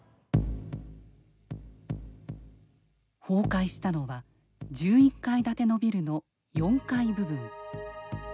崩壊したのは１１階建てのビルの４階部分。